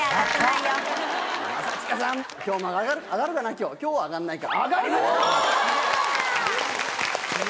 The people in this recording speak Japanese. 今日は上がんないか。